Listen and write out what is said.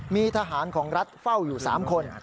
มีทหารของรัฐเฝ้าอยู่๓คน